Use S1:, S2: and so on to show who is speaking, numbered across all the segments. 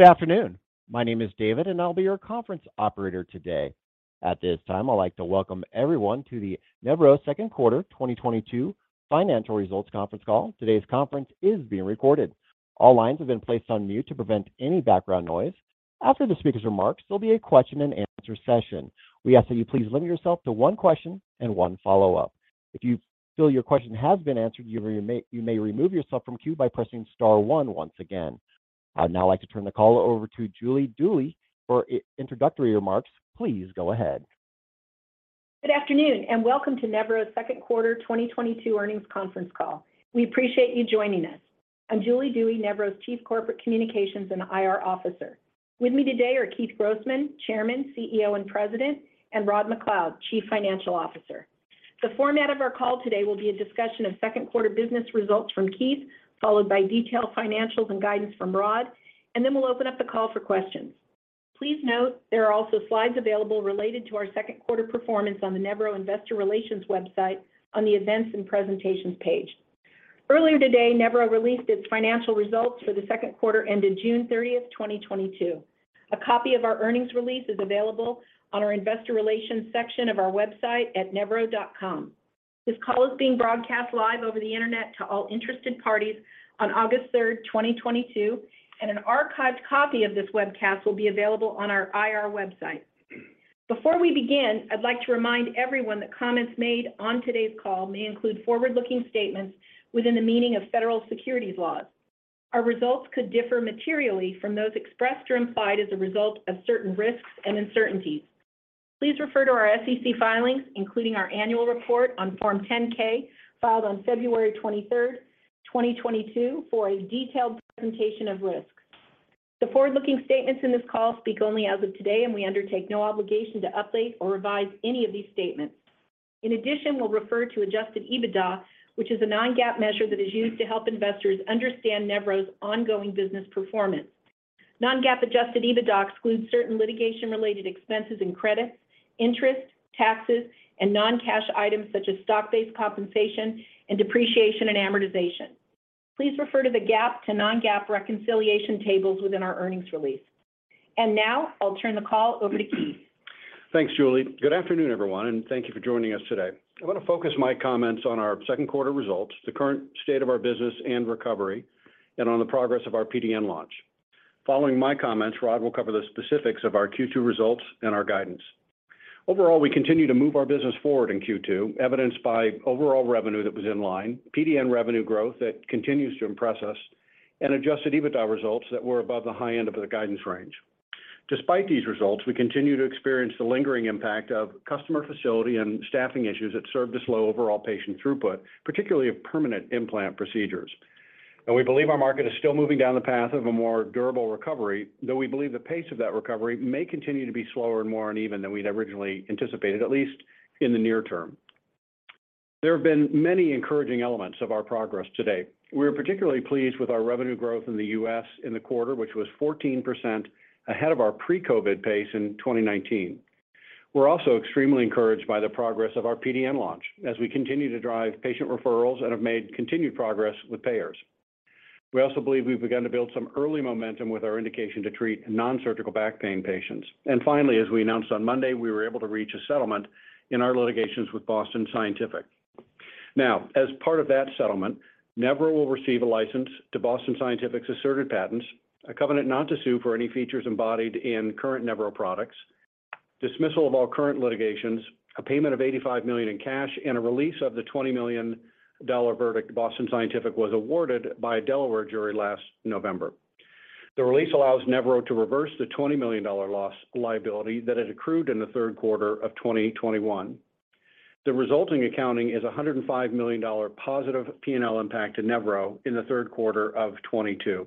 S1: Good afternoon. My name is David, and I'll be your conference operator today. At this time, I'd like to welcome everyone to the Nevro second quarter 2022 financial results conference call. Today's conference is being recorded. All lines have been placed on mute to prevent any background noise. After the speaker's remarks, there'll be a question and answer session. We ask that you please limit yourself to one question and one follow-up. If you feel your question has been answered, you may remove yourself from queue by pressing star one once again. I'd now like to turn the call over to Julie Dewey for introductory remarks. Please go ahead.
S2: Good afternoon, and welcome to Nevro's second quarter 2022 earnings conference call. We appreciate you joining us. I'm Julie Dewey, Nevro's Chief Corporate Communications and IR Officer. With me today are Keith Grossman, Chairman, CEO, and President, and Rod MacLeod, Chief Financial Officer. The format of our call today will be a discussion of second quarter business results from Keith, followed by detailed financials and guidance from Rod, and then we'll open up the call for questions. Please note there are also slides available related to our second quarter performance on the Nevro investor relations website on the Events and Presentations page. Earlier today, Nevro released its financial results for the second quarter ended June 30, 2022. A copy of our earnings release is available on our investor relations section of our website at nevro.com. This call is being broadcast live over the internet to all interested parties on August 3, 2022, and an archived copy of this webcast will be available on our IR website. Before we begin, I'd like to remind everyone that comments made on today's call may include forward-looking statements within the meaning of federal securities laws. Our results could differ materially from those expressed or implied as a result of certain risks and uncertainties. Please refer to our SEC filings, including our annual report on Form 10-K, filed on February 23, 2022, for a detailed presentation of risks. The forward-looking statements in this call speak only as of today, and we undertake no obligation to update or revise any of these statements. In addition, we'll refer to adjusted EBITDA, which is a non-GAAP measure that is used to help investors understand Nevro's ongoing business performance. Non-GAAP adjusted EBITDA excludes certain litigation-related expenses and credits, interest, taxes, and non-cash items such as stock-based compensation and depreciation and amortization. Please refer to the GAAP to non-GAAP reconciliation tables within our earnings release. Now I'll turn the call over to Keith.
S3: Thanks, Julie. Good afternoon, everyone, and thank you for joining us today. I want to focus my comments on our second quarter results, the current state of our business and recovery, and on the progress of our PDN launch. Following my comments, Rod will cover the specifics of our Q2 results and our guidance. Overall, we continue to move our business forward in Q2, evidenced by overall revenue that was in line, PDN revenue growth that continues to impress us, and adjusted EBITDA results that were above the high end of the guidance range. Despite these results, we continue to experience the lingering impact of customer facility and staffing issues that served to slow overall patient throughput, particularly of permanent implant procedures. We believe our market is still moving down the path of a more durable recovery, though we believe the pace of that recovery may continue to be slower and more uneven than we'd originally anticipated, at least in the near term. There have been many encouraging elements of our progress to date. We are particularly pleased with our revenue growth in the U.S. in the quarter, which was 14% ahead of our pre-COVID pace in 2019. We're also extremely encouraged by the progress of our PDN launch as we continue to drive patient referrals and have made continued progress with payers. We also believe we've begun to build some early momentum with our indication to treat nonsurgical back pain patients. Finally, as we announced on Monday, we were able to reach a settlement in our litigations with Boston Scientific. Now, as part of that settlement, Nevro will receive a license to Boston Scientific's asserted patents, a covenant not to sue for any features embodied in current Nevro products, dismissal of all current litigations, a payment of $85 million in cash, and a release of the $20 million verdict Boston Scientific was awarded by a Delaware jury last November. The release allows Nevro to reverse the $20 million loss liability that had accrued in the third quarter of 2021. The resulting accounting is a $105 million positive P&L impact to Nevro in the third quarter of 2022.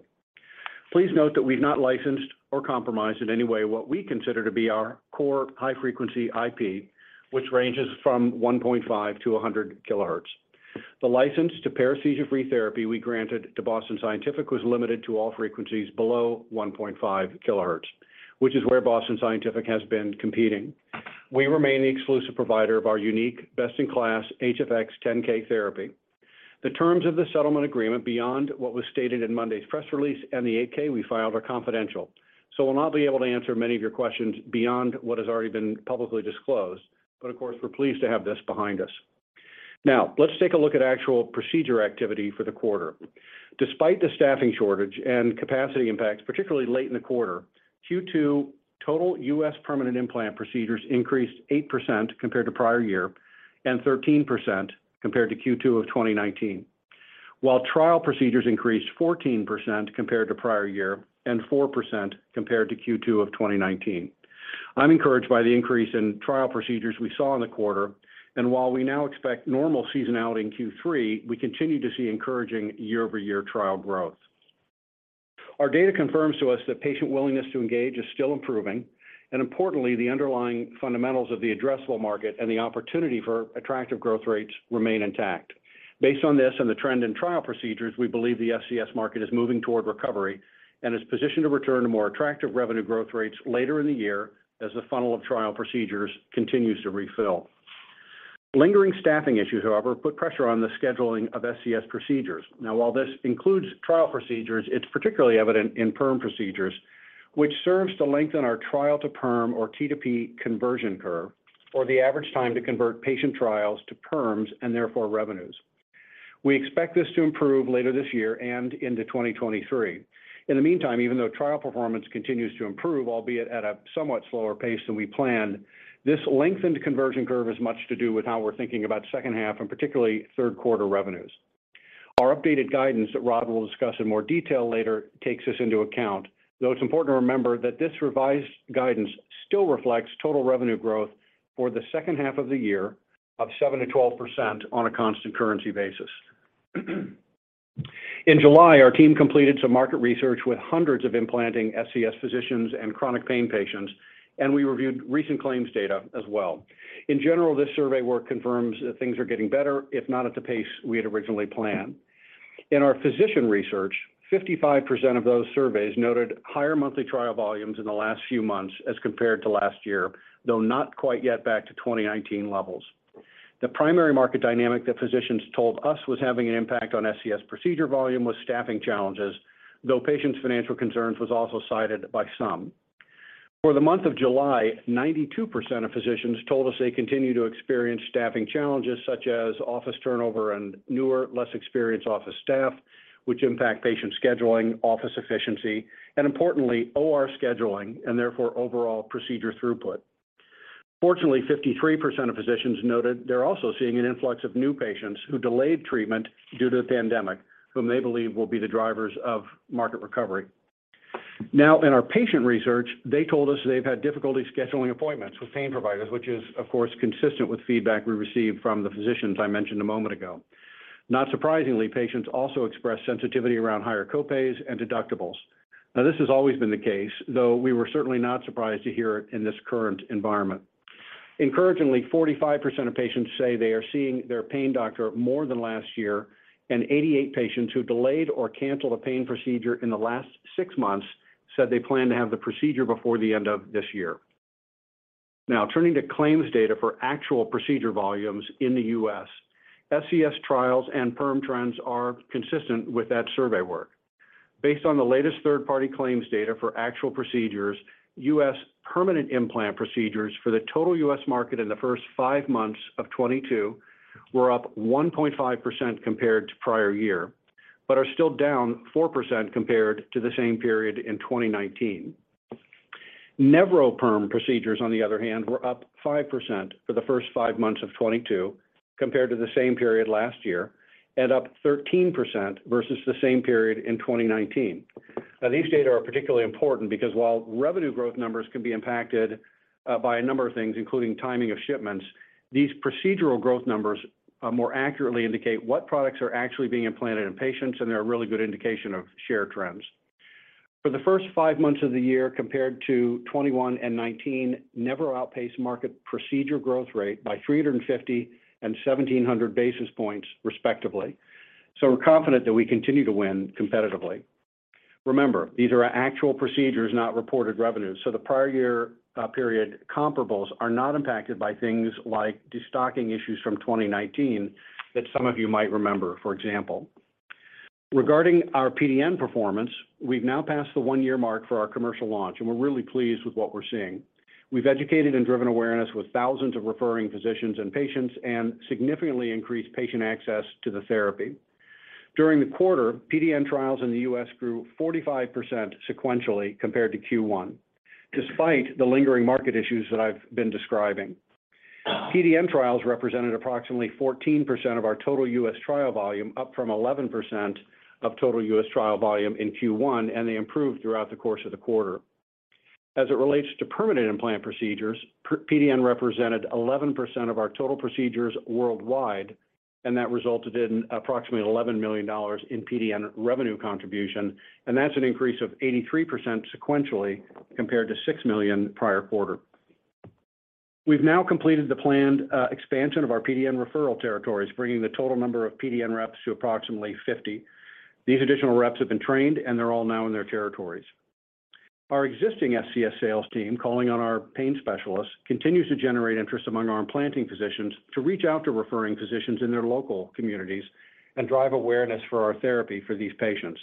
S3: Please note that we've not licensed or compromised in any way what we consider to be our core high-frequency IP, which ranges from 1.5 to 100 kilohertz. The license to paresthesia-free therapy we granted to Boston Scientific was limited to all frequencies below 1.5 kilohertz, which is where Boston Scientific has been competing. We remain the exclusive provider of our unique best-in-class HFX 10K therapy. The terms of the settlement agreement beyond what was stated in Monday's press release and the 8-K we filed are confidential, so we'll not be able to answer many of your questions beyond what has already been publicly disclosed. Of course, we're pleased to have this behind us. Now, let's take a look at actual procedure activity for the quarter. Despite the staffing shortage and capacity impacts, particularly late in the quarter, Q2 total U.S. permanent implant procedures increased 8% compared to prior year and 13% compared to Q2 of 2019. While trial procedures increased 14% compared to prior year and 4% compared to Q2 of 2019. I'm encouraged by the increase in trial procedures we saw in the quarter, and while we now expect normal seasonality in Q3, we continue to see encouraging year-over-year trial growth. Our data confirms to us that patient willingness to engage is still improving, and importantly, the underlying fundamentals of the addressable market and the opportunity for attractive growth rates remain intact. Based on this and the trend in trial procedures, we believe the SCS market is moving toward recovery and is positioned to return to more attractive revenue growth rates later in the year as the funnel of trial procedures continues to refill. Lingering staffing issues, however, put pressure on the scheduling of SCS procedures. Now, while this includes trial procedures, it's particularly evident in perm procedures, which serves to lengthen our trial to perm or T to P conversion curve, or the average time to convert patient trials to perms and therefore revenues. We expect this to improve later this year and into 2023. In the meantime, even though trial performance continues to improve, albeit at a somewhat slower pace than we planned, this lengthened conversion curve is much to do with how we're thinking about second half and particularly third quarter revenues. Our updated guidance that Rod will discuss in more detail later takes this into account, though it's important to remember that this revised guidance still reflects total revenue growth for the second half of the year of 7%-12% on a constant currency basis. In July, our team completed some market research with hundreds of implanting SCS physicians and chronic pain patients, and we reviewed recent claims data as well. In general, this survey work confirms that things are getting better, if not at the pace we had originally planned. In our physician research, 55% of those surveys noted higher monthly trial volumes in the last few months as compared to last year, though not quite yet back to 2019 levels. The primary market dynamic that physicians told us was having an impact on SCS procedure volume was staffing challenges, though patients' financial concerns was also cited by some. For the month of July, 92% of physicians told us they continue to experience staffing challenges such as office turnover and newer, less experienced office staff, which impact patient scheduling, office efficiency, and importantly, OR scheduling, and therefore overall procedure throughput. Fortunately, 53% of physicians noted they're also seeing an influx of new patients who delayed treatment due to the pandemic, whom they believe will be the drivers of market recovery. Now in our patient research, they told us they've had difficulty scheduling appointments with pain providers, which is of course consistent with feedback we received from the physicians I mentioned a moment ago. Not surprisingly, patients also expressed sensitivity around higher co-pays and deductibles. Now this has always been the case, though we were certainly not surprised to hear it in this current environment. Encouragingly, 45% of patients say they are seeing their pain doctor more than last year, and 88 patients who delayed or canceled a pain procedure in the last six months said they plan to have the procedure before the end of this year. Now turning to claims data for actual procedure volumes in the US, SCS trials and perm trends are consistent with that survey work. Based on the latest third-party claims data for actual procedures, US permanent implant procedures for the total US market in the first five months of 2022 were up 1.5% compared to prior year, but are still down 4% compared to the same period in 2019. Nevro perm procedures, on the other hand, were up 5% for the first five months of 2022 compared to the same period last year, and up 13% versus the same period in 2019. These data are particularly important because while revenue growth numbers can be impacted, by a number of things, including timing of shipments, these procedural growth numbers, more accurately indicate what products are actually being implanted in patients, and they're a really good indication of share trends. For the first five months of the year compared to 2021 and 2019, Nevro outpaced market procedure growth rate by 350 and 1700 basis points, respectively. We're confident that we continue to win competitively. Remember, these are actual procedures, not reported revenues. The prior year, period comparables are not impacted by things like destocking issues from 2019 that some of you might remember, for example. Regarding our PDN performance, we've now passed the one-year mark for our commercial launch, and we're really pleased with what we're seeing. We've educated and driven awareness with thousands of referring physicians and patients and significantly increased patient access to the therapy. During the quarter, PDN trials in the U.S. grew 45% sequentially compared to Q1, despite the lingering market issues that I've been describing. PDN trials represented approximately 14% of our total U.S. trial volume, up from 11% of total U.S. trial volume in Q1, and they improved throughout the course of the quarter. As it relates to permanent implant procedures, perm PDN represented 11% of our total procedures worldwide, and that resulted in approximately $11 million in PDN revenue contribution, and that's an increase of 83% sequentially compared to $6 million prior quarter. We've now completed the planned expansion of our PDN referral territories, bringing the total number of PDN reps to approximately 50. These additional reps have been trained, and they're all now in their territories. Our existing SCS sales team, calling on our pain specialists, continues to generate interest among our implanting physicians to reach out to referring physicians in their local communities and drive awareness for our therapy for these patients.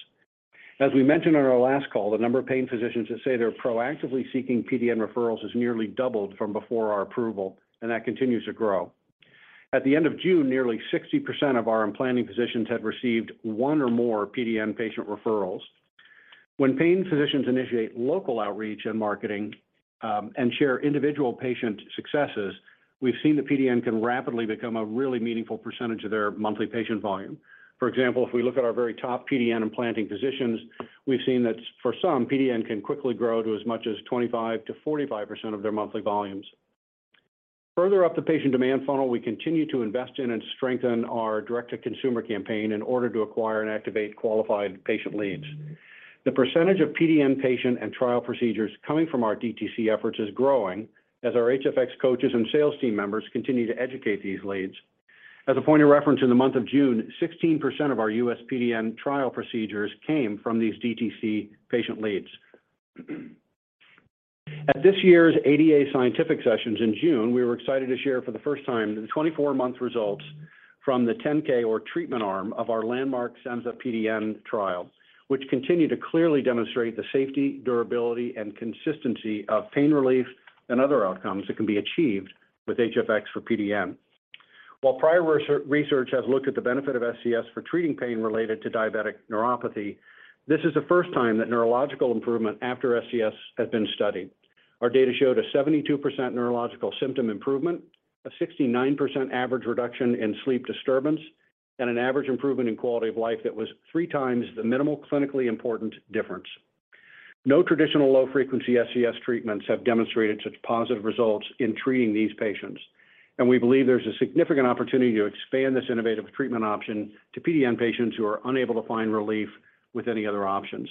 S3: As we mentioned on our last call, the number of pain physicians that say they're proactively seeking PDN referrals has nearly doubled from before our approval, and that continues to grow. At the end of June, nearly 60% of our implanting physicians had received one or more PDN patient referrals. When pain physicians initiate local outreach and marketing, and share individual patient successes, we've seen the PDN can rapidly become a really meaningful percentage of their monthly patient volume. For example, if we look at our very top PDN implanting physicians, we've seen that for some, PDN can quickly grow to as much as 25%-45% of their monthly volumes. Further up the patient demand funnel, we continue to invest in and strengthen our direct-to-consumer campaign in order to acquire and activate qualified patient leads. The percentage of PDN patient and trial procedures coming from our DTC efforts is growing as our HFX coaches and sales team members continue to educate these leads. As a point of reference, in the month of June, 16% of our U.S. PDN trial procedures came from these DTC patient leads. At this year's ADA Scientific Sessions in June, we were excited to share for the first time the 24-month results from the 10K arm of our landmark Senza PDN trial, which continue to clearly demonstrate the safety, durability, and consistency of pain relief and other outcomes that can be achieved with HFX for PDN. While prior research has looked at the benefit of SCS for treating pain related to diabetic neuropathy, this is the first time that neurological improvement after SCS has been studied. Our data showed a 72% neurological symptom improvement, a 69% average reduction in sleep disturbance, and an average improvement in quality of life that was three times the minimal clinically important difference. No traditional low frequency SCS treatments have demonstrated such positive results in treating these patients, and we believe there's a significant opportunity to expand this innovative treatment option to PDN patients who are unable to find relief with any other options.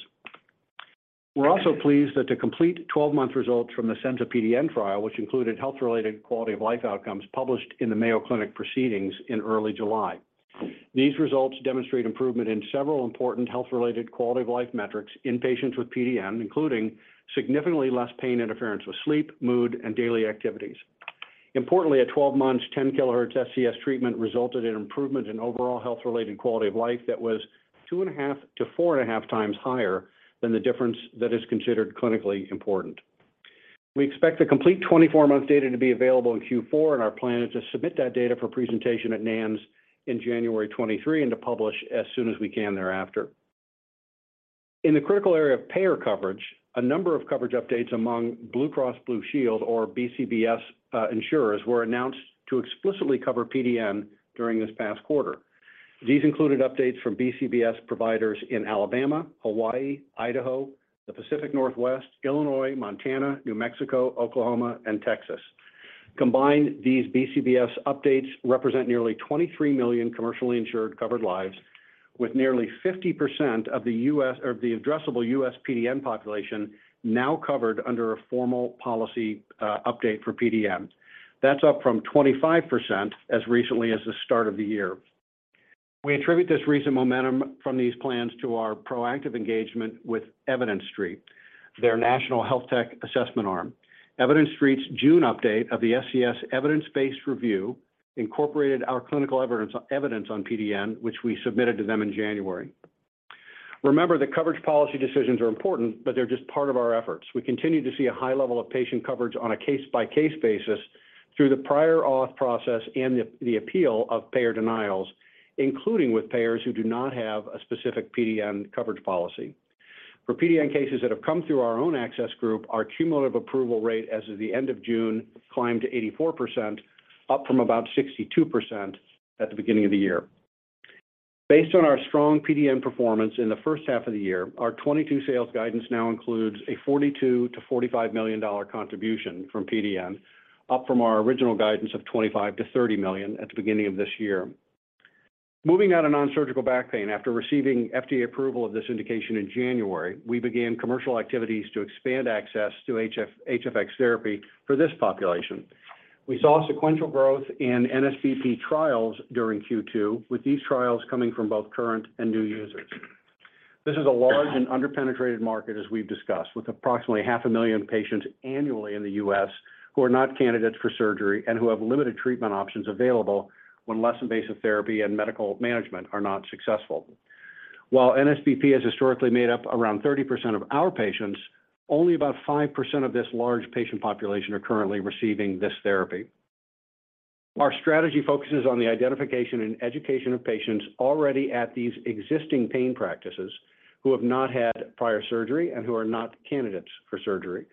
S3: We're also pleased that the complete 12-month results from the Senza PDN trial, which included health-related quality of life outcomes, were published in the Mayo Clinic Proceedings in early July. These results demonstrate improvement in several important health-related quality of life metrics in patients with PDN, including significantly less pain interference with sleep, mood, and daily activities. Importantly, at 12 months, 10-kilohertz SCS treatment resulted in improvement in overall health-related quality of life that was 2.5-4.5 times higher than the difference that is considered clinically important. We expect the complete 24-month data to be available in Q4, and our plan is to submit that data for presentation at NANS in January 2023, and to publish as soon as we can thereafter. In the critical area of payer coverage, a number of coverage updates among Blue Cross Blue Shield or BCBS insurers were announced to explicitly cover PDN during this past quarter. These included updates from BCBS providers in Alabama, Hawaii, Idaho, the Pacific Northwest, Illinois, Montana, New Mexico, Oklahoma, and Texas. Combined, these BCBS updates represent nearly 23 million commercially insured covered lives, with nearly 50% of the addressable US PDN population now covered under a formal policy update for PDN. That's up from 25% as recently as the start of the year. We attribute this recent momentum from these plans to our proactive engagement with Evidence Street, their national health tech assessment arm. Evidence Street's June update of the SCS evidence-based review incorporated our clinical evidence on PDN, which we submitted to them in January. Remember that coverage policy decisions are important, but they're just part of our efforts. We continue to see a high level of patient coverage on a case-by-case basis through the prior auth process and the appeal of payer denials, including with payers who do not have a specific PDN coverage policy. For PDN cases that have come through our own access group, our cumulative approval rate as of the end of June climbed to 84%, up from about 62% at the beginning of the year. Based on our strong PDN performance in the first half of the year, our 2022 sales guidance now includes a $42-$45 million contribution from PDN, up from our original guidance of $25-$30 million at the beginning of this year. Moving on to non-surgical back pain. After receiving FDA approval of this indication in January, we began commercial activities to expand access to HFX therapy for this population. We saw sequential growth in NSBP trials during Q2, with these trials coming from both current and new users. This is a large and under-penetrated market, as we've discussed, with approximately 500,000 patients annually in the U.S. who are not candidates for surgery and who have limited treatment options available when less invasive therapy and medical management are not successful. While NSBP has historically made up around 30% of our patients, only about 5% of this large patient population are currently receiving this therapy. Our strategy focuses on the identification and education of patients already at these existing pain practices who have not had prior surgery and who are not candidates for surgery.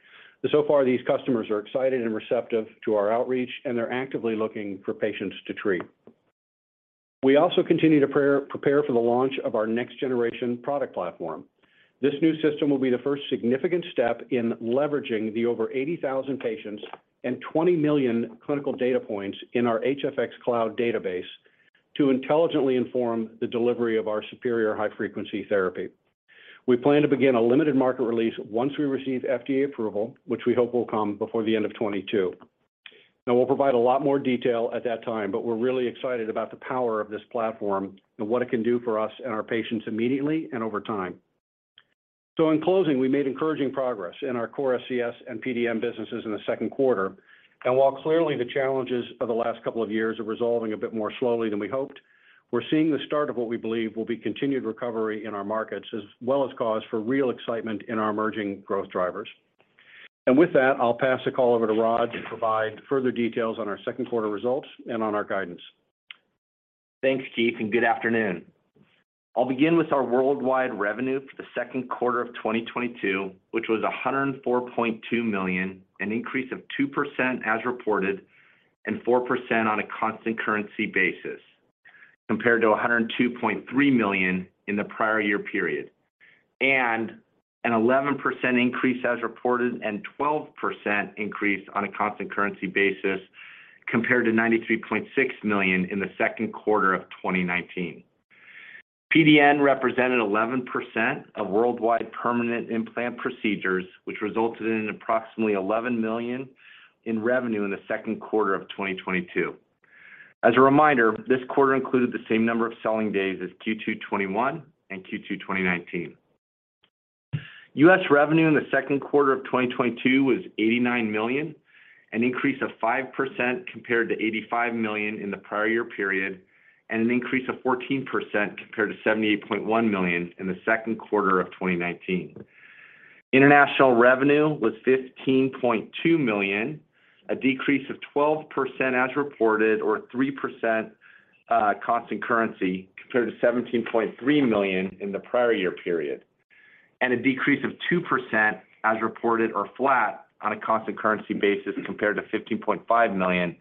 S3: So far, these customers are excited and receptive to our outreach, and they're actively looking for patients to treat. We also continue to prepare for the launch of our next generation product platform. This new system will be the first significant step in leveraging the over 80,000 patients and 20 million clinical data points in our HFX Cloud database to intelligently inform the delivery of our superior high frequency therapy. We plan to begin a limited market release once we receive FDA approval, which we hope will come before the end of 2022. Now we'll provide a lot more detail at that time, but we're really excited about the power of this platform and what it can do for us and our patients immediately and over time. In closing, we made encouraging progress in our core SCS and PDN businesses in the second quarter. While clearly the challenges of the last couple of years are resolving a bit more slowly than we hoped, we're seeing the start of what we believe will be continued recovery in our markets, as well as cause for real excitement in our emerging growth drivers. With that, I'll pass the call over to Rod to provide further details on our second quarter results and on our guidance.
S4: Thanks, Keith, and good afternoon. I'll begin with our worldwide revenue for the second quarter of 2022, which was $104.2 million, an increase of 2% as reported and 4% on a constant currency basis compared to $102.3 million in the prior year period. An 11% increase as reported and 12% increase on a constant currency basis compared to $93.6 million in the second quarter of 2019. PDN represented 11% of worldwide permanent implant procedures, which resulted in approximately $11 million in revenue in the second quarter of 2022. As a reminder, this quarter included the same number of selling days as Q2 2021 and Q2 2019. U.S. revenue in the second quarter of 2022 was $89 million, an increase of 5% compared to $85 million in the prior year period, and an increase of 14% compared to $78.1 million in the second quarter of 2019. International revenue was $15.2 million, a decrease of 12% as reported, or 3% constant currency, compared to $17.3 million in the prior year period, and a decrease of 2% as reported or flat on a constant currency basis compared to $15.5 million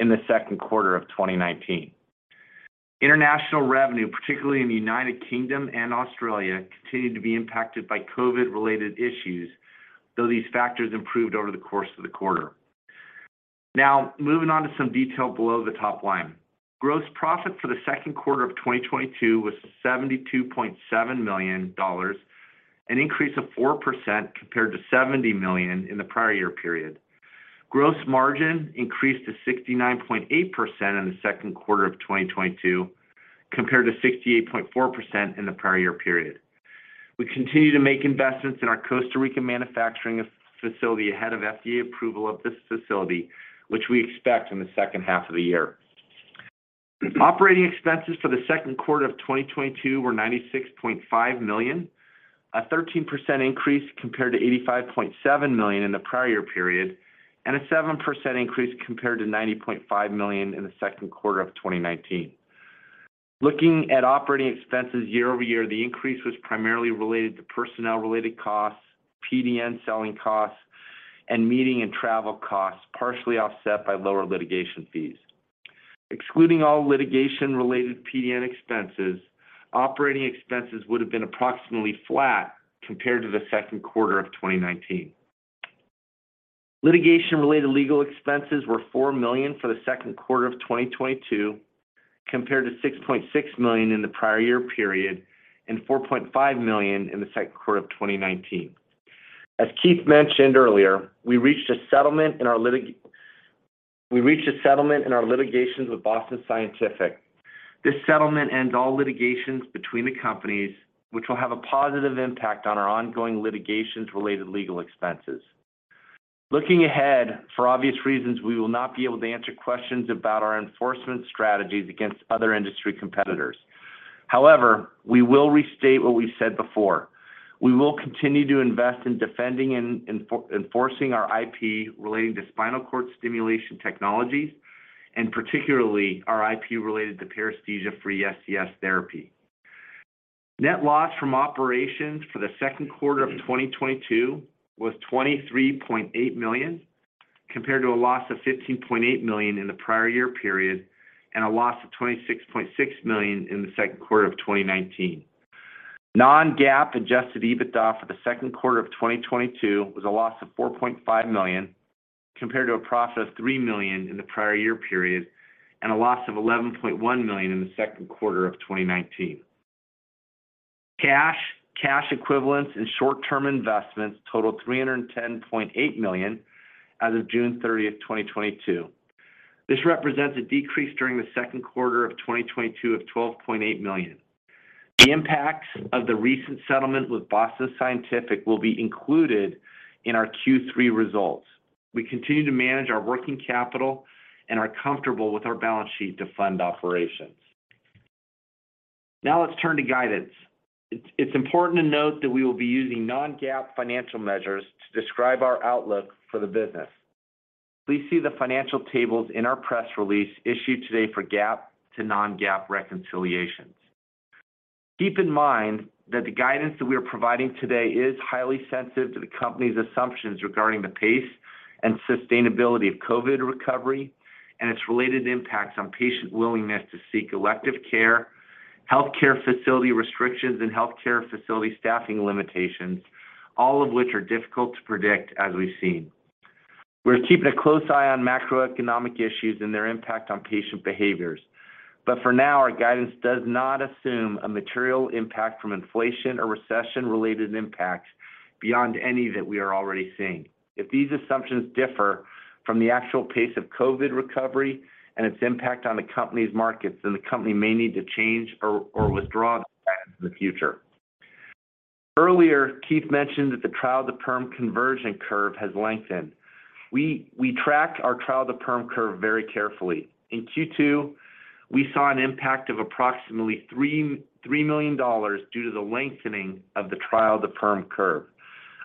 S4: in the second quarter of 2019. International revenue, particularly in the United Kingdom and Australia, continued to be impacted by COVID-related issues, though these factors improved over the course of the quarter. Now, moving on to some detail below the top line. Gross profit for the second quarter of 2022 was $72.7 million, an increase of 4% compared to $70 million in the prior year period. Gross margin increased to 69.8% in the second quarter of 2022 compared to 68.4% in the prior year period. We continue to make investments in our Costa Rica manufacturing facility ahead of FDA approval of this facility, which we expect in the second half of the year. Operating expenses for the second quarter of 2022 were $96.5 million, a 13% increase compared to $85.7 million in the prior year period, and a 7% increase compared to $90.5 million in the second quarter of 2019. Looking at operating expenses year-over-year, the increase was primarily related to personnel-related costs, PDN selling costs, and meeting and travel costs, partially offset by lower litigation fees. Excluding all litigation-related PDN expenses, operating expenses would have been approximately flat compared to the second quarter of 2019. Litigation-related legal expenses were $4 million for the second quarter of 2022, compared to $6.6 million in the prior year period and $4.5 million in the second quarter of 2019. As Keith mentioned earlier, we reached a settlement in our litigations with Boston Scientific. This settlement ends all litigations between the companies, which will have a positive impact on our ongoing litigations' related legal expenses. Looking ahead, for obvious reasons, we will not be able to answer questions about our enforcement strategies against other industry competitors. However, we will restate what we said before. We will continue to invest in defending and enforcing our IP relating to spinal cord stimulation technologies, and particularly our IP related to paresthesia-free SCS therapy. Net loss from operations for the second quarter of 2022 was $23.8 million, compared to a loss of $15.8 million in the prior year period and a loss of $26.6 million in the second quarter of 2019. non-GAAP adjusted EBITDA for the second quarter of 2022 was a loss of $4.5 million, compared to a profit of $3 million in the prior year period and a loss of $11.1 million in the second quarter of 2019. Cash, cash equivalents, and short-term investments totaled $310.8 million as of June thirtieth, 2022. This represents a decrease during the second quarter of 2022 of $12.8 million. The impacts of the recent settlement with Boston Scientific will be included in our Q3 results. We continue to manage our working capital and are comfortable with our balance sheet to fund operations. Now let's turn to guidance. It's important to note that we will be using non-GAAP financial measures to describe our outlook for the business. Please see the financial tables in our press release issued today for GAAP to non-GAAP reconciliations. Keep in mind that the guidance that we are providing today is highly sensitive to the company's assumptions regarding the pace and sustainability of COVID recovery and its related impacts on patient willingness to seek elective care, healthcare facility restrictions, and healthcare facility staffing limitations, all of which are difficult to predict as we've seen. We're keeping a close eye on macroeconomic issues and their impact on patient behaviors. For now, our guidance does not assume a material impact from inflation or recession-related impacts beyond any that we are already seeing. If these assumptions differ from the actual pace of COVID recovery and its impact on the company's markets, then the company may need to change or withdraw in the future. Earlier, Keith mentioned that the trial to perm conversion curve has lengthened. We track our trial to perm curve very carefully. In Q2, we saw an impact of approximately $3 million due to the lengthening of the trial to perm curve.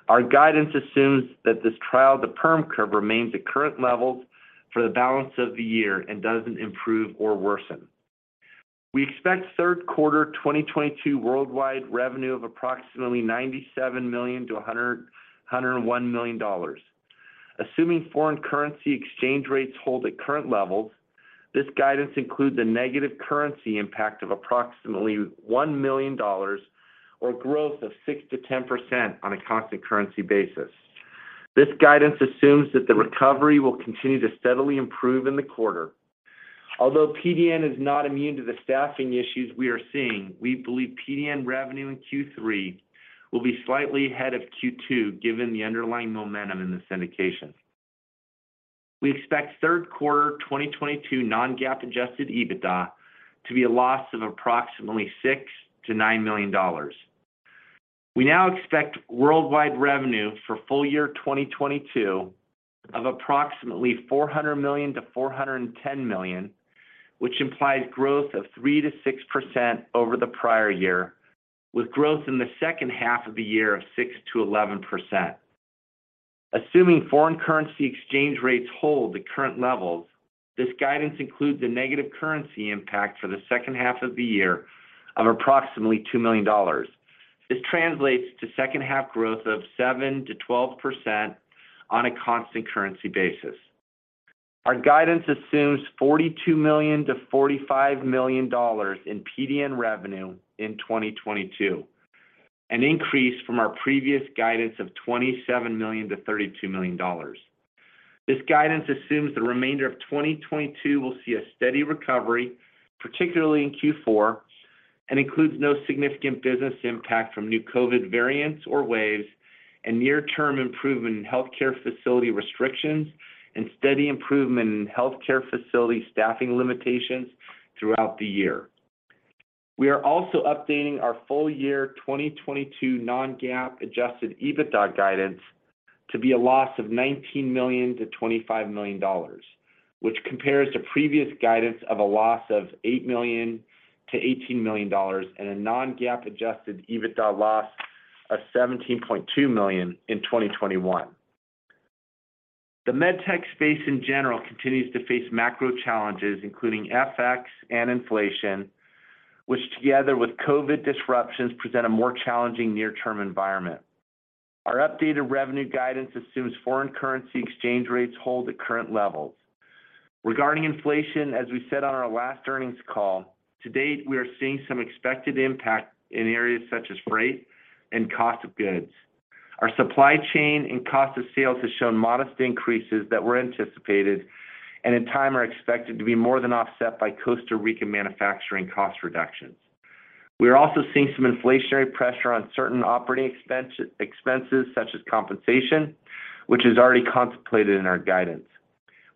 S4: Our guidance assumes that this trial to perm curve remains at current levels for the balance of the year and doesn't improve or worsen. We expect Q3 2022 worldwide revenue of approximately $97 million-$101 million. Assuming foreign currency exchange rates hold at current levels, this guidance includes a negative currency impact of approximately $1 million or growth of 6%-10% on a constant currency basis. This guidance assumes that the recovery will continue to steadily improve in the quarter. Although PDN is not immune to the staffing issues we are seeing, we believe PDN revenue in Q3 will be slightly ahead of Q2 given the underlying momentum in the indication. We expect Q3 2022 non-GAAP adjusted EBITDA to be a loss of approximately $6 million-$9 million. We now expect worldwide revenue for full year 2022 of approximately $400 million-$410 million, which implies growth of 3%-6% over the prior year, with growth in the second half of the year of 6%-11%. Assuming foreign currency exchange rates hold at current levels, this guidance includes a negative currency impact for the second half of the year of approximately $2 million. This translates to second half growth of 7%-12% on a constant currency basis. Our guidance assumes $42 million-$45 million in PDN revenue in 2022, an increase from our previous guidance of $27 million-$32 million. This guidance assumes the remainder of 2022 will see a steady recovery, particularly in Q4, and includes no significant business impact from new COVID variants or waves, and near-term improvement in healthcare facility restrictions, and steady improvement in healthcare facility staffing limitations throughout the year. We are also updating our full-year 2022 non-GAAP adjusted EBITDA guidance to be a loss of $19 million-$25 million, which compares to previous guidance of a loss of $8 million-$18 million and a non-GAAP adjusted EBITDA loss of $17.2 million in 2021. The med tech space in general continues to face macro challenges, including FX and inflation, which together with COVID disruptions present a more challenging near-term environment. Our updated revenue guidance assumes foreign currency exchange rates hold at current levels. Regarding inflation, as we said on our last earnings call, to date, we are seeing some expected impact in areas such as freight and cost of goods. Our supply chain and cost of sales has shown modest increases that were anticipated and in time are expected to be more than offset by Costa Rica manufacturing cost reductions. We are also seeing some inflationary pressure on certain operating expenses such as compensation, which is already contemplated in our guidance.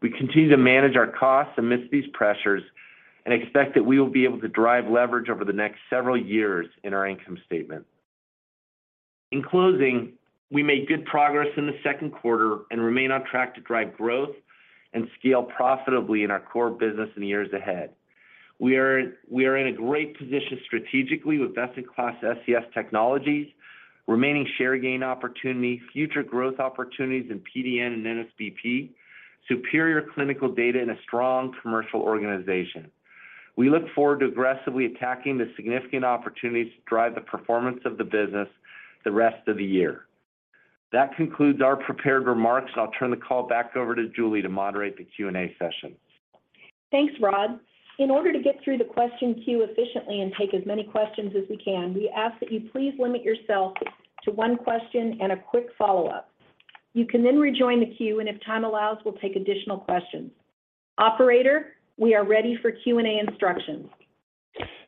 S4: We continue to manage our costs amidst these pressures and expect that we will be able to drive leverage over the next several years in our income statement. In closing, we made good progress in the second quarter and remain on track to drive growth and scale profitably in our core business in the years ahead. We are in a great position strategically with best-in-class SCS technologies, remaining share gain opportunity, future growth opportunities in PDN and NSBP, superior clinical data and a strong commercial organization. We look forward to aggressively attacking the significant opportunities to drive the performance of the business the rest of the year. That concludes our prepared remarks, and I'll turn the call back over to Julie to moderate the Q&A session.
S2: Thanks, Rod. In order to get through the question queue efficiently and take as many questions as we can, we ask that you please limit yourself to one question and a quick follow-up. You can then rejoin the queue, and if time allows, we'll take additional questions. Operator, we are ready for Q&A instructions.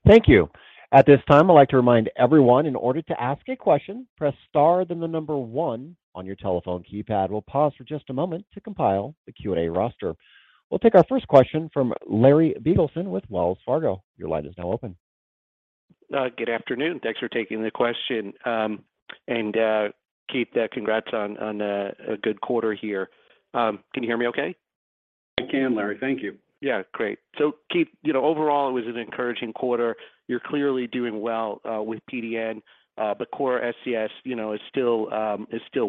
S1: Thank you. At this time, I'd like to remind everyone in order to ask a question, press star, then the number one on your telephone keypad. We'll pause for just a moment to compile the Q&A roster. We'll take our first question from Larry Biegelsen with Wells Fargo. Your line is now open.
S5: Good afternoon. Thanks for taking the question. Keith, congrats on a good quarter here. Can you hear me okay?
S3: I can, Larry. Thank you.
S5: Yeah. Great. Keith, overall, it was an encouraging quarter. You're clearly doing well with PDN. Core SCS, you know, is still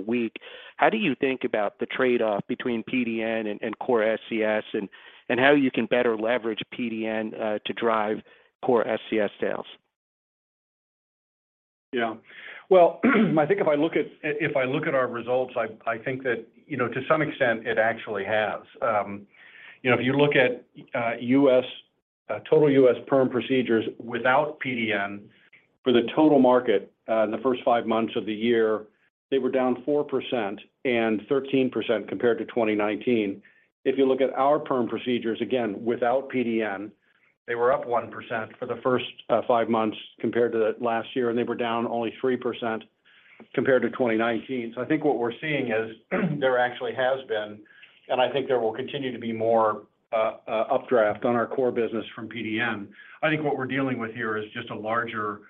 S5: weak. How do you think about the trade-off between PDN and core SCS and how you can better leverage PDN to drive core SCS sales?
S3: Well, I think if I look at our results, I think that, to some extent, it actually has. If you look at U.S. total U.S. perm procedures without PDN for the total market in the first five months of the year, they were down 4% and 13% compared to 2019. If you look at our perm procedures, again, without PDN, they were up 1% for the first five months compared to the last year, and they were down only 3% compared to 2019. I think what we're seeing is there actually has been, and I think there will continue to be more updraft on our core business from PDN. I think what we're dealing with here is just a larger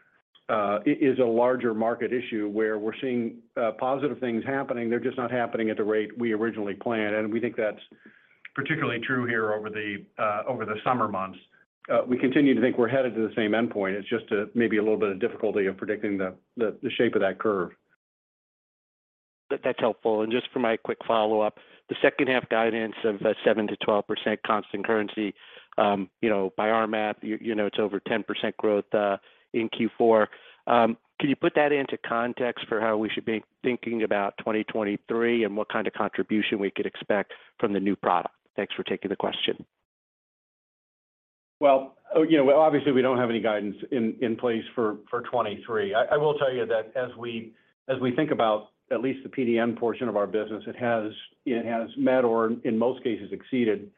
S3: market issue where we're seeing positive things happening. They're just not happening at the rate we originally planned. We think that's particularly true here over the summer months. We continue to think we're headed to the same endpoint. It's just maybe a little bit of difficulty of predicting the shape of that curve.
S5: That's helpful. Just for my quick follow-up, the second half guidance of 7%-12% constant currency, by our math, it's over 10% growth in Q4. Can you put that into context for how we should be thinking about 2023 and what kind of contribution we could expect from the new product? Thanks for taking the question.
S3: Well, obviously, we don't have any guidance in place for 2023. I will tell you that as we think about at least the PDN portion of our business, it has met or in most cases exceeded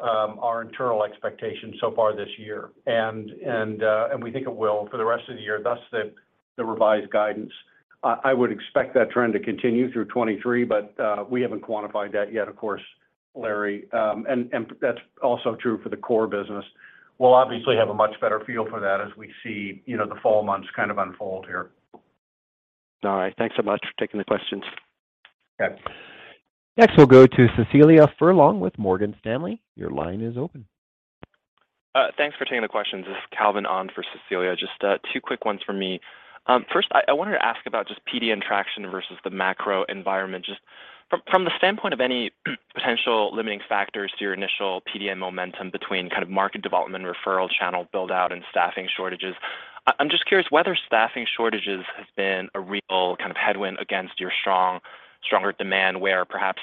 S3: Our internal expectations so far this year. We think it will for the rest of the year, thus the revised guidance. I would expect that trend to continue through 2023, but we haven't quantified that yet, of course, Larry. That's also true for the core business. We'll obviously have a much better feel for that as we see, the fall months kind of unfold here.
S5: All right. Thanks so much for taking the questions.
S3: Okay.
S1: Next, we'll go to Cecilia Furlong with Morgan Stanley. Your line is open.
S6: Thanks for taking the questions. This is Calvin on for Cecilia. Just two quick ones from me. First, I wanted to ask about just PDN traction versus the macro environment, just from the standpoint of any potential limiting factors to your initial PDN momentum between kind of market development, referral channel build-out, and staffing shortages. I'm just curious whether staffing shortages has been a real kind of headwind against your stronger demand, where perhaps,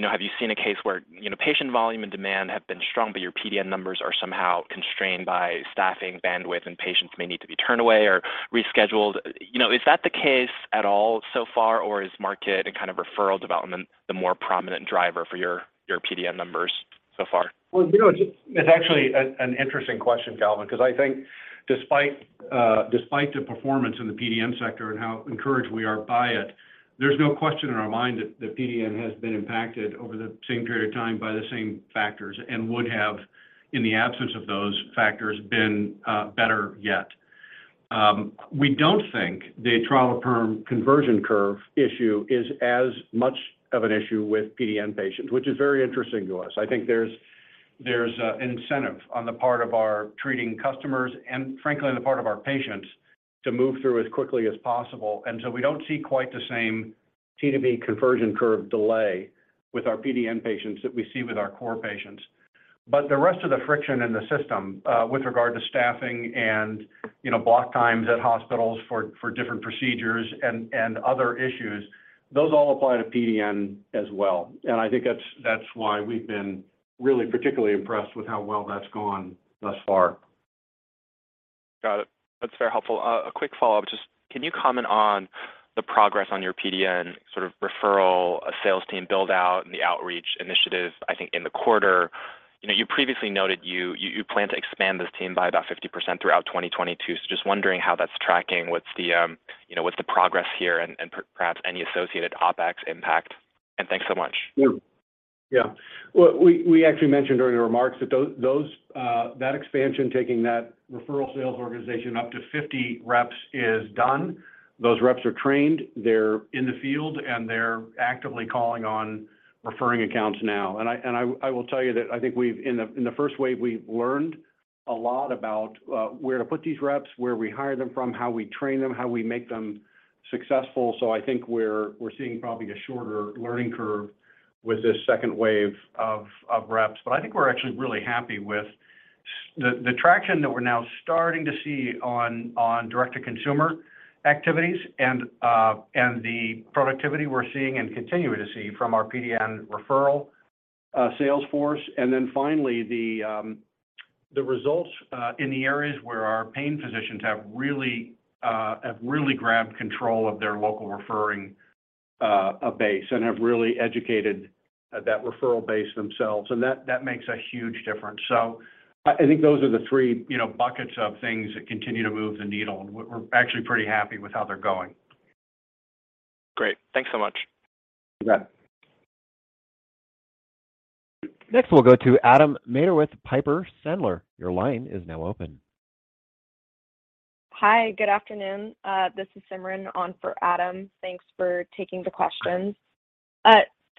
S6: have you seen a case where, patient volume and demand have been strong, but your PDN numbers are somehow constrained by staffing bandwidth and patients may need to be turned away or rescheduled? You know, is that the case at all so far, or is market and kind of referral development the more prominent driver for your PDN numbers so far?
S3: Well, you know, It's actually an interesting question, Calvin, because I think despite the performance in the PDN sector and how encouraged we are by it, there's no question in our mind that the PDN has been impacted over the same period of time by the same factors and would have, in the absence of those factors, been better yet. We don't think the trial perm conversion curve issue is as much of an issue with PDN patients, which is very interesting to us. I think there's a incentive on the part of our treating customers and, frankly, on the part of our patients to move through as quickly as possible. We don't see quite the same T to P conversion curve delay with our PDN patients that we see with our core patients. The rest of the friction in the system, with regard to staffing and, block times at hospitals for different procedures and other issues, those all apply to PDN as well. I think that's why we've been really particularly impressed with how well that's gone thus far.
S6: Got it. That's very helpful. A quick follow-up. Just, can you comment on the progress on your PDN sort of referral sales team build-out and the outreach initiatives, I think, in the quarter? You know, you previously noted you planned to expand this team by about 50% throughout 2022. Just wondering how that's tracking. What's the, you know, what's the progress here and perhaps any associated OpEx impact? Thanks so much.
S3: Well, we actually mentioned during the remarks that those that expansion, taking that referral sales organization up to 50 reps is done. Those reps are trained, they're in the field, and they're actively calling on referring accounts now. I will tell you that I think in the first wave, we've learned a lot about where to put these reps, where we hire them from, how we train them, how we make them successful. I think we're seeing probably a shorter learning curve with this second wave of reps. I think we're actually really happy with the traction that we're now starting to see on direct-to-consumer activities and the productivity we're seeing and continuing to see from our PDN referral sales force. Then finally, the results in the areas where our pain physicians have really grabbed control of their local referring base and have really educated that referral base themselves. That makes a huge difference. I think those are the three, buckets of things that continue to move the needle, and we're actually pretty happy with how they're going.
S6: Great. Thanks so much.
S3: You bet.
S1: Next, we'll go to Adam Maeder with Piper Sandler. Your line is now open.
S7: Hi. Good afternoon. This is Simran on for Adam.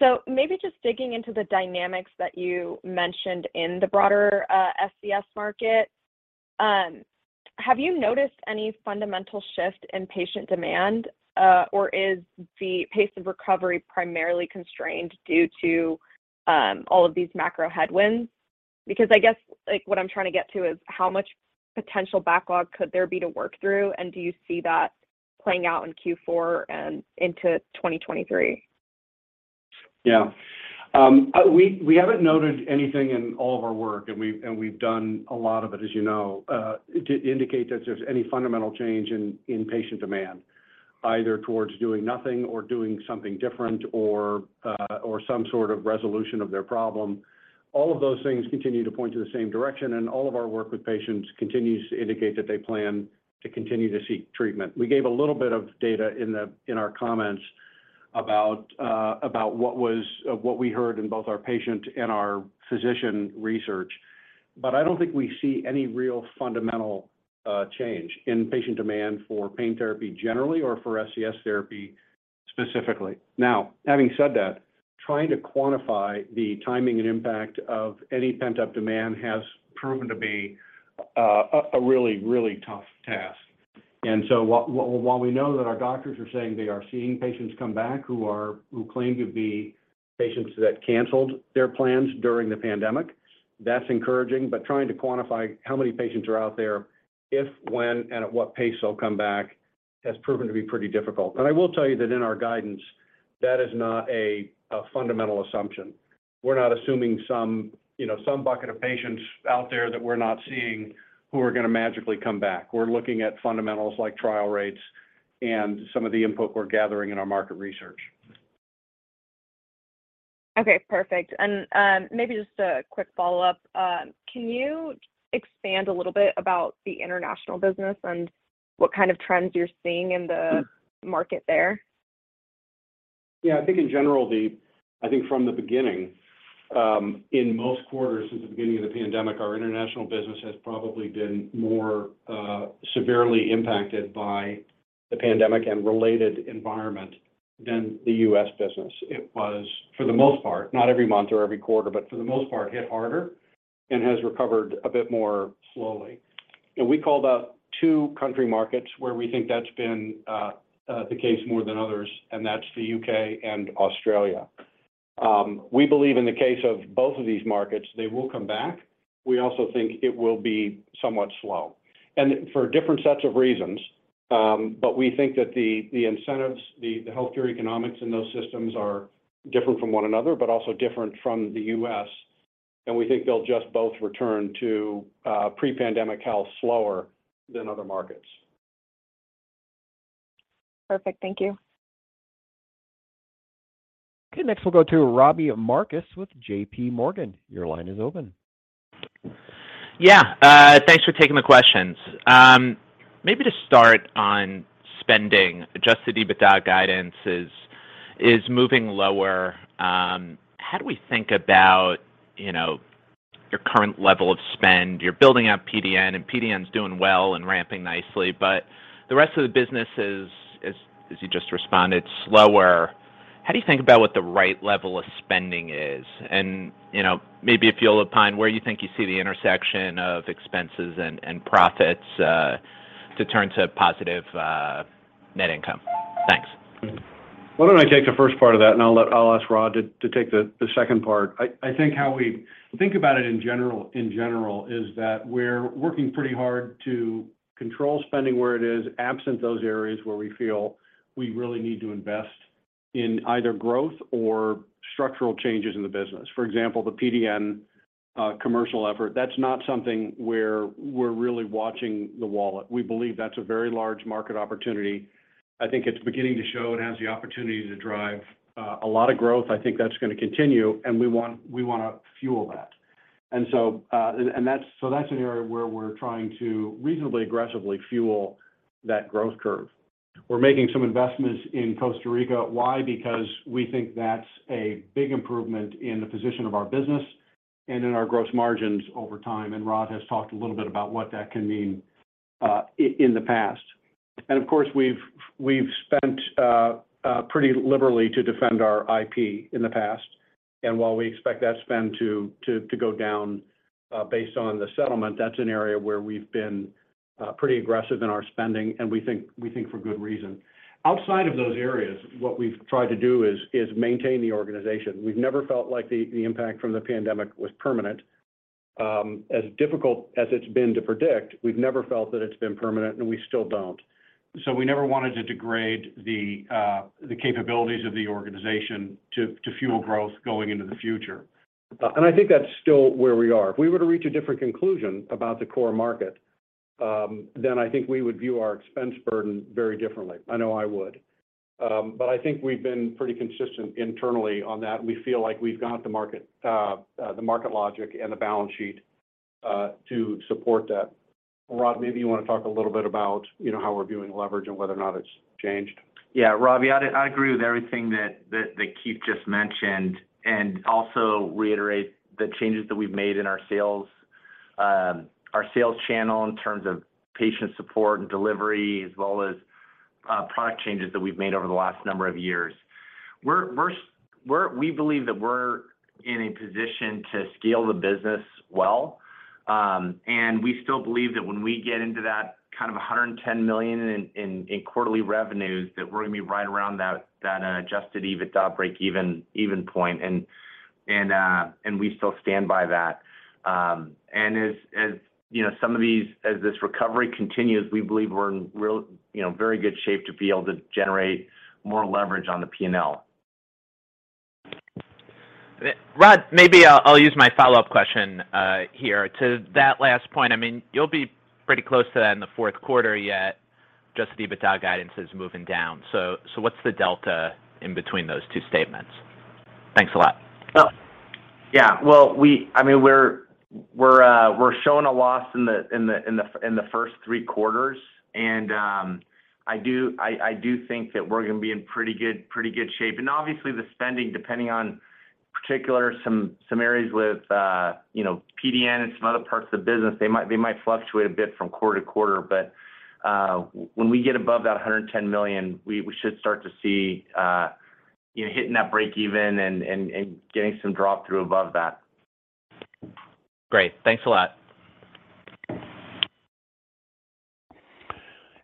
S7: Thanks for taking the questions. Maybe just digging into the dynamics that you mentioned in the broader SCS market, have you noticed any fundamental shift in patient demand, or is the pace of recovery primarily constrained due to all of these macro headwinds? Because I guess, like, what I'm trying to get to is how much potential backlog could there be to work through, and do you see that playing out in Q4 and into 2023? Yeah. We haven't noted anything in all of our work, and we've done a lot of it, as you know, to indicate that there's any fundamental change in patient demand, either towards doing nothing or doing something different or some sort of resolution of their problem.
S3: All of those things continue to point to the same direction, and all of our work with patients continues to indicate that they plan to continue to seek treatment. We gave a little bit of data in our comments about what we heard in both our patient and our physician research. I don't think we see any real fundamental change in patient demand for pain therapy generally or for SCS therapy specifically. Now, having said that, trying to quantify the timing and impact of any pent-up demand has proven to be a really tough task. While we know that our doctors are saying they are seeing patients come back who claim to be patients that canceled their plans during the pandemic, that's encouraging. Trying to quantify how many patients are out there, if, when, and at what pace they'll come back has proven to be pretty difficult. I will tell you that in our guidance, that is not a fundamental assumption. We're not assuming some, you know, some bucket of patients out there that we're not seeing who are gonna magically come back. We're looking at fundamentals like trial rates and some of the input we're gathering in our market research.
S7: Okay, perfect. Maybe just a quick follow-up. Can you expand a little bit about the international business and what kind of trends you're seeing in the market there?
S3: Yeah. I think in general, I think from the beginning, in most quarters since the beginning of the pandemic, our international business has probably been more, severely impacted by the pandemic and related environment than the U.S. business. It was, for the most part, not every month or every quarter, but for the most part, hit harder and has recovered a bit more slowly. We called out two country markets where we think that's been, the case more than others, and that's the U.K. and Australia. We believe in the case of both of these markets, they will come back. We also think it will be somewhat slow, and for different sets of reasons. We think that the incentives, the healthcare economics in those systems are different from one another, but also different from the U.S. We think they'll just both return to pre-pandemic health slower than other markets.
S7: Perfect. Thank you.
S1: Okay. Next, we'll go to Robbie Marcus with JP Morgan. Your line is open.
S8: Yeah. Thanks for taking the questions. Maybe to start on spending, adjusted EBITDA guidance is moving lower. How do we think about, your current level of spend? You're building out PDN, and PDN's doing well and ramping nicely, but the rest of the business is, as you just responded, slower. How do you think about what the right level of spending is? Maybe if you'll opine where you think you see the intersection of expenses and profits to turn to positive net income. Thanks.
S3: Why don't I take the first part of that, and I'll ask Rod to take the second part. I think how we think about it in general is that we're working pretty hard to control spending where it is, absent those areas where we feel we really need to invest in either growth or structural changes in the business. For example, the PDN commercial effort. That's not something where we're really watching the wallet. We believe that's a very large market opportunity. I think it's beginning to show it has the opportunity to drive a lot of growth. I think that's gonna continue, and we wanna fuel that. That's an area where we're trying to reasonably aggressively fuel that growth curve. We're making some investments in Costa Rica. Why? Because we think that's a big improvement in the position of our business and in our gross margins over time, and Rod has talked a little bit about what that can mean, in the past. Of course, we've spent pretty liberally to defend our IP in the past. While we expect that spend to go down, based on the settlement, that's an area where we've been pretty aggressive in our spending, and we think for good reason. Outside of those areas, what we've tried to do is maintain the organization. We've never felt like the impact from the pandemic was permanent. As difficult as it's been to predict, we've never felt that it's been permanent, and we still don't. We never wanted to degrade the capabilities of the organization to fuel growth going into the future. I think that's still where we are. If we were to reach a different conclusion about the core market, then I think we would view our expense burden very differently. I know I would. I think we've been pretty consistent internally on that. We feel like we've got the market, the market logic and the balance sheet to support that. Rod, maybe you wanna talk a little bit about, you know, how we're viewing leverage and whether or not it's changed.
S4: Yeah. Robbie, I agree with everything that Keith just mentioned, and also reiterate the changes that we've made in our sales channel in terms of patient support and delivery, as well as product changes that we've made over the last number of years. We believe that we're in a position to scale the business well. We still believe that when we get into that kind of $110 million in quarterly revenues, that we're gonna be right around that adjusted EBITDA break-even point. We still stand by that. As you know, as this recovery continues, we believe we're in real you know very good shape to be able to generate more leverage on the P&L.
S8: Rod, maybe I'll use my follow-up question here. To that last point, I mean, you'll be pretty close to that in the fourth quarter, yet adjusted EBITDA guidance is moving down. What's the delta in between those two statements? Thanks a lot.
S4: Yeah. Well, I mean, we're showing a loss in the first three quarters. I do think that we're gonna be in pretty good shape. Obviously the spending, depending on some particular areas with you know PDN and some other parts of the business, they might fluctuate a bit from quarter to quarter. When we get above that $110 million, we should start to see you know hitting that break even and getting some drop through above that.
S8: Great. Thanks a lot.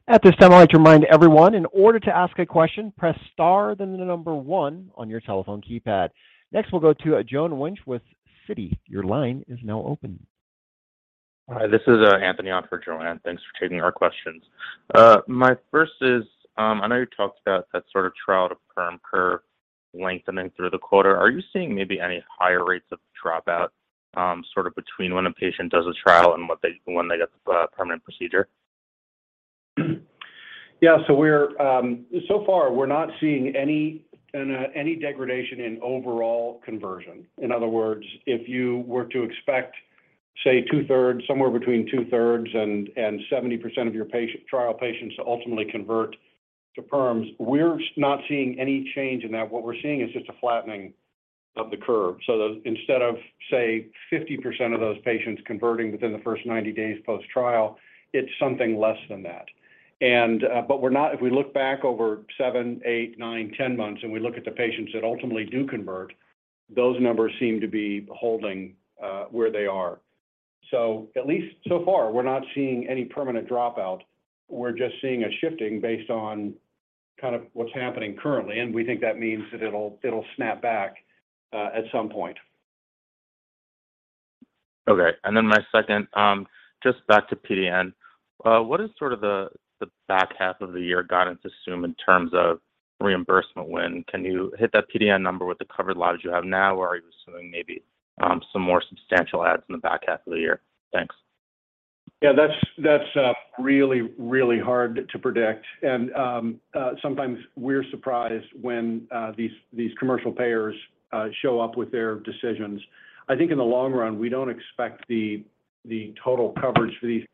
S1: At this time, I'd like to remind everyone, in order to ask a question, press star, then the number one on your telephone keypad. Next, we'll go to Joanne Wuensch with Citi. Your line is now open.
S9: Hi, this is Anthony on for Joanne. Thanks for taking our questions. My first is, I know you talked about that sort of trial to perm curve lengthening through the quarter. Are you seeing maybe any higher rates of dropout, sort of between when a patient does a trial and when they get the permanent procedure?
S3: Yeah. So far we're not seeing any degradation in overall conversion. In other words, if you were to expect, say, two-thirds, somewhere between two-thirds and 70% of your trial patients to ultimately convert to perms, we're not seeing any change in that. What we're seeing is just a flattening of the curve. Instead of, say, 50% of those patients converting within the first 90 days post-trial, it's something less than that. If we look back over seven, eight, nine, 10 months, and we look at the patients that ultimately do convert, those numbers seem to be holding where they are. At least so far, we're not seeing any permanent dropout. We're just seeing a shifting based on kind of what's happening currently, and we think that means that it'll snap back at some point.
S9: Okay. My second, just back to PDN. What is sort of the back half of the year guidance assume in terms of reimbursement win? Can you hit that PDN number with the covered lives you have now, or are you assuming maybe, some more substantial adds in the back half of the year? Thanks.
S3: Yeah, that's really hard to predict. Sometimes we're surprised when these commercial payers show up with their decisions. I think in the long run, we don't expect the total coverage for these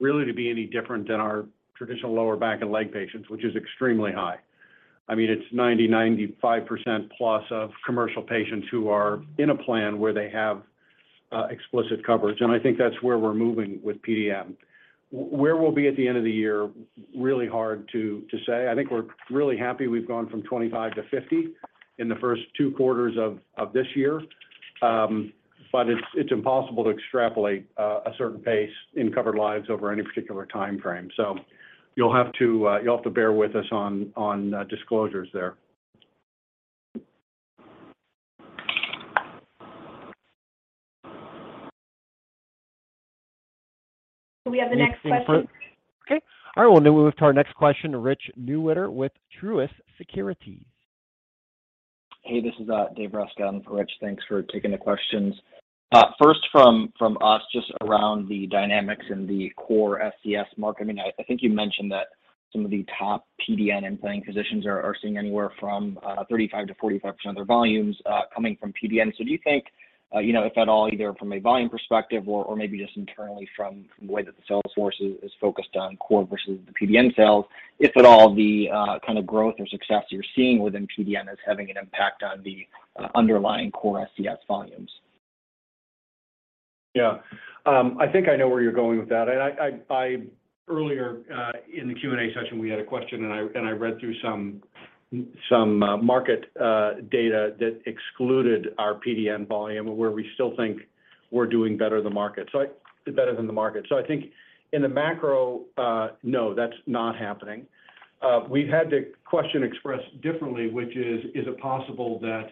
S3: really to be any different than our traditional lower back and leg patients, which is extremely high. I mean, it's 90-95% plus of commercial patients who are in a plan where they have explicit coverage, and I think that's where we're moving with PDN. Where we'll be at the end of the year, really hard to say. I think we're really happy we've gone from 25 to 50 in the first two quarters of this year. It's impossible to extrapolate a certain pace in covered lives over any particular timeframe. You'll have to bear with us on disclosures there.
S2: We have the next question.
S1: Okay. All right. We'll now move to our next question, Richard Newitter with Truist Securities.
S10: Hey, this is David Rescott on for Rich. Thanks for taking the questions. First from us just around the dynamics in the core SCS market. I mean, I think you mentioned that some of the top PDN implant positions are seeing anywhere from 35%-45% of their volumes coming from PDN. Do you think, you know, if at all, either from a volume perspective or maybe just internally from the way that the sales force is focused on core versus the PDN sales, if at all the kind of growth or success you're seeing within PDN is having an impact on the underlying core SCS volumes?
S3: Yeah. I think I know where you're going with that. I earlier in the Q&A session, we had a question, and I read through some market data that excluded our PDN volume, where we still think we're doing better than the market. I think in the macro, no, that's not happening. We've had the question expressed differently, which is it possible that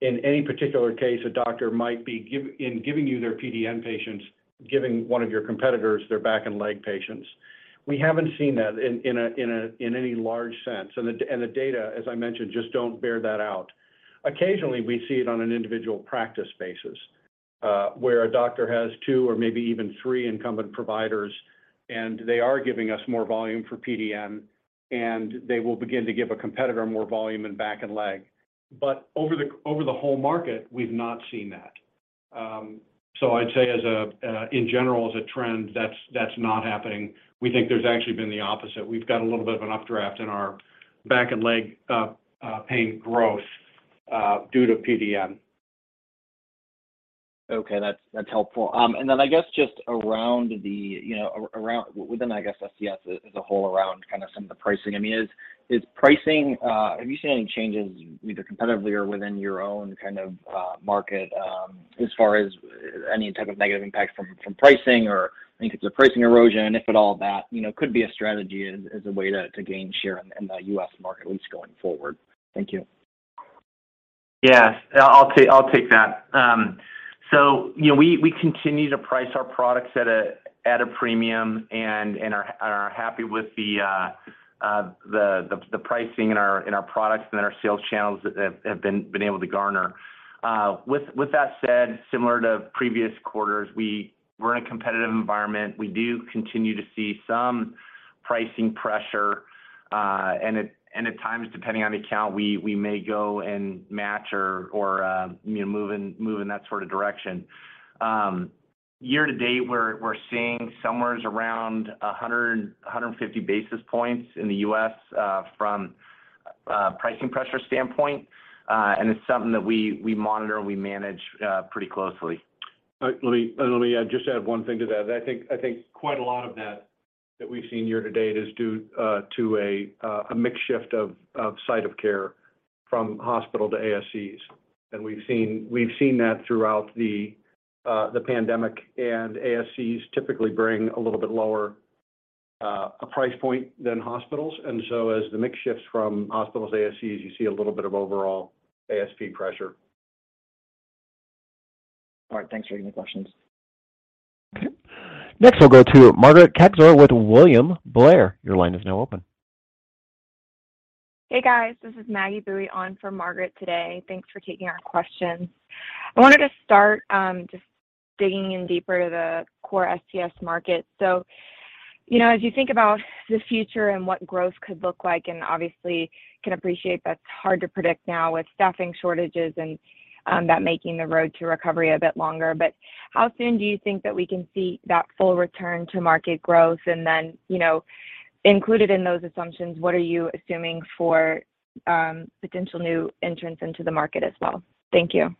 S3: in any particular case, a doctor might be giving you their PDN patients, giving one of your competitors their back and leg patients? We haven't seen that in any large sense. The data, as I mentioned, just don't bear that out. Occasionally, we see it on an individual practice basis, where a doctor has two or maybe even three incumbent providers, and they are giving us more volume for PDN, and they will begin to give a competitor more volume in back and leg. Over the whole market, we've not seen that. I'd say in general, as a trend, that's not happening. We think there's actually been the opposite. We've got a little bit of an updraft in our back and leg pain growth due to PDN.
S10: Okay. That's helpful. I guess just around the, within, I guess, SCS as a whole around kind of some of the pricing. I mean, is pricing. Have you seen any changes either competitively or within your own kind of market as far as any type of negative impact from pricing or in case of pricing erosion? If at all, that could be a strategy as a way to gain share in the U.S. market, at least going forward. Thank you.
S4: Yes. I'll take that. We continue to price our products at a premium and are happy with the pricing in our products and in our sales channels that have been able to garner. With that said, similar to previous quarters, we're in a competitive environment. We do continue to see some pricing pressure, and at times, depending on the account, we may go and match or, move in that sort of direction. Year to date, we're seeing somewhere around 100-150 basis points in the U.S., from a pricing pressure standpoint. It's something that we monitor and we manage pretty closely.
S3: Let me just add one thing to that. I think quite a lot of that we've seen year to date is due to a mix shift of site of care from hospital to ASCs. We've seen that throughout the pandemic. ASCs typically bring a little bit lower price point than hospitals. As the mix shifts from hospitals to ASCs, you see a little bit of overall ASP pressure.
S10: All right. Thanks for taking the questions.
S2: Okay. Next, we'll go to Margaret Kaczor with William Blair. Your line is now open.
S11: Hey guys, this is Margaret Boeye on for Margaret today. Thanks for taking our questions. I wanted to start, just digging in deeper to the core SCS market. As you think about the future and what growth could look like, and obviously can appreciate that's hard to predict now with staffing shortages and, that making the road to recovery a bit longer. How soon do you think that we can see that full return to market growth? Then, included in those assumptions, what are you assuming for, potential new entrants into the market as well? Thank you.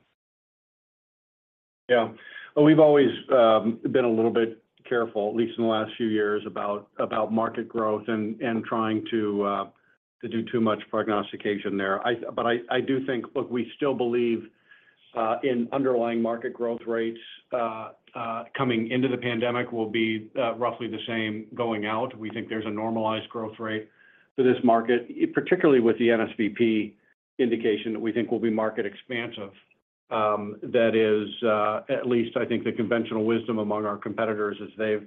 S3: Yeah. Well, we've always been a little bit careful, at least in the last few years about market growth and trying to do too much prognostication there. I do think. Look, we still believe in underlying market growth rates coming into the pandemic will be roughly the same going out. We think there's a normalized growth rate for this market, particularly with the NSBP indication that we think will be market expansive. That is, at least I think the conventional wisdom among our competitors as they've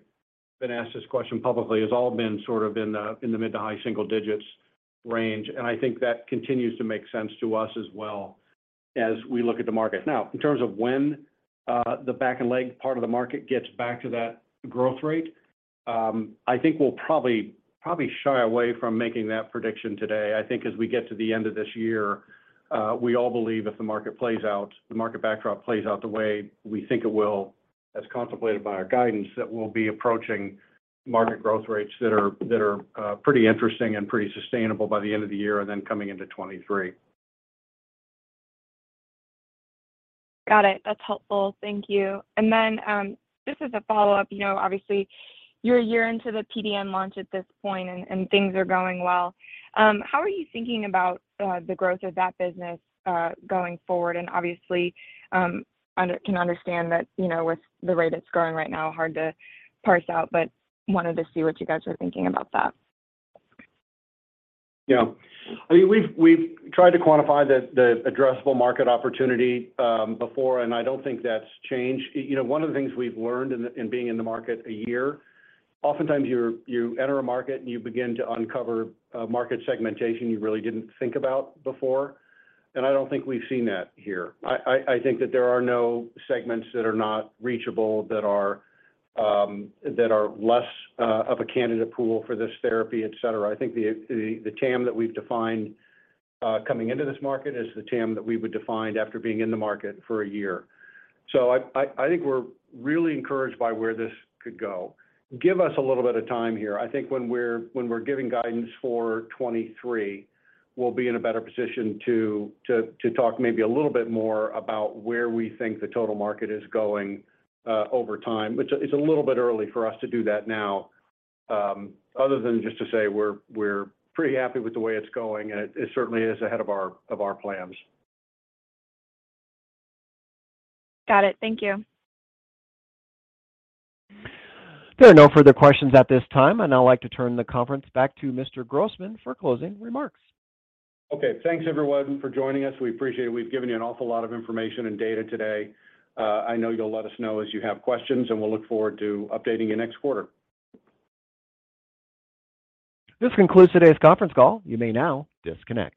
S3: been asked this question publicly, has all been sort of in the mid- to high-single-digits range. I think that continues to make sense to us as well as we look at the market. Now in terms of when the back and leg part of the market gets back to that growth rate, I think we'll probably shy away from making that prediction today. I think as we get to the end of this year, we all believe if the market plays out, the market backdrop plays out the way we think it will, as contemplated by our guidance, that we'll be approaching market growth rates that are pretty interesting and pretty sustainable by the end of the year and then coming into 2023.
S11: Got it. That's helpful. Thank you. Just as a follow-up, obviously you're a year into the PDN launch at this point and things are going well. How are you thinking about the growth of that business going forward? Obviously, I can understand that, with the rate it's growing right now, hard to parse out, but wanted to see what you guys are thinking about that.
S3: Yeah. I mean, we've tried to quantify the addressable market opportunity before, and I don't think that's changed. One of the things we've learned in being in the market a year, oftentimes you enter a market and you begin to uncover market segmentation you really didn't think about before. I don't think we've seen that here. I think that there are no segments that are not reachable that are less of a candidate pool for this therapy, et cetera. I think the TAM that we've defined coming into this market is the TAM that we would define after being in the market for a year. I think we're really encouraged by where this could go. Give us a little bit of time here. I think when we're giving guidance for 2023, we'll be in a better position to talk maybe a little bit more about where we think the total market is going over time. It's a little bit early for us to do that now, other than just to say we're pretty happy with the way it's going and it certainly is ahead of our plans.
S11: Got it. Thank you.
S1: There are no further questions at this time, and I'd like to turn the conference back to Mr. Grossman for closing remarks.
S3: Okay. Thanks everyone for joining us. We appreciate it. We've given you an awful lot of information and data today. I know you'll let us know as you have questions, and we'll look forward to updating you next quarter.
S1: This concludes today's conference call. You may now disconnect.